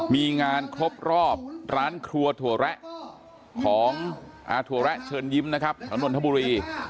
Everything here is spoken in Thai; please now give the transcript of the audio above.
มีงานครบรอบร้านครัวถั่วแระของอาถั่วแระเชิญยิ้มนะครับแถวนนทบุรี